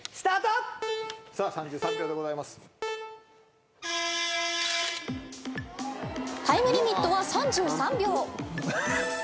タイムリミットは３３秒。